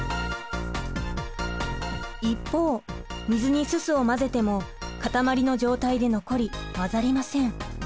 一方水にすすを混ぜても固まりの状態で残り混ざりません。